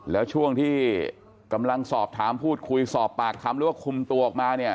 แล้วช่วงที่กำลังสอบถามพูดคุยสอบปากคำหรือว่าคุมตัวออกมาเนี่ย